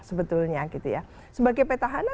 sebetulnya sebagai petahana